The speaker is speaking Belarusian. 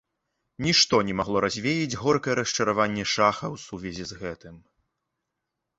Нішто не магло развеяць горкае расчараванне шаха ў сувязі з гэтым.